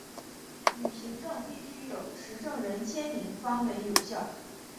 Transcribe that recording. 旅行证必须有持证人签名方为有效。